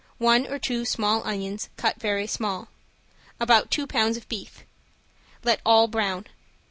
One or two small onions, cut very small. About two pounds of beef. Let all brown.